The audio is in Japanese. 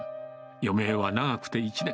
余命は長くて１年。